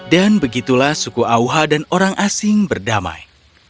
dan begitulah suku awuha dan orang asing berdamai